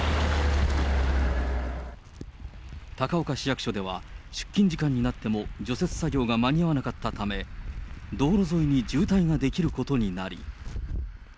高岡市役所では、出勤時間になっても除雪作業が間に合わなかったため、道路沿いに渋滞が出来ることになり。